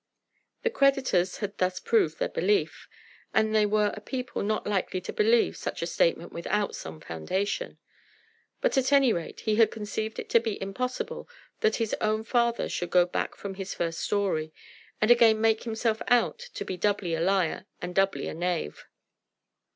The creditors had thus proved their belief, and they were a people not likely to believe such a statement without some foundation. But at any rate he had conceived it to be impossible that his own father should go back from his first story, and again make himself out to be doubly a liar and doubly a knave.